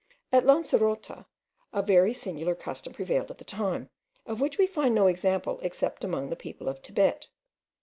At Lancerota, a very singular custom prevailed at that time, of which we find no example except among the people of Thibet.